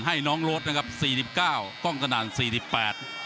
ให้น้องรถนะครับสี่สิบเก้ากล้องสนั่นสี่สิบแปด